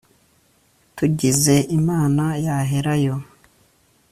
tugize imana yahera yo